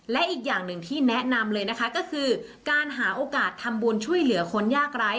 และอีกอย่างหนึ่งที่แนะนำเลยนะคะก็คือการหาโอกาสทำบุญช่วยเหลือคนยากร้าย